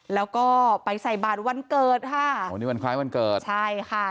แล้วก็ไปใส่บาทวันเกิดค่ะโอ้นี่วันคล้ายวันเกิดใช่ค่ะ